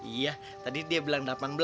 iya tadi dia bilang delapan belas